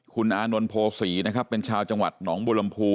คุณอานนท์โพศีนะครับเป็นชาวจังหวัดหนองบุรมภู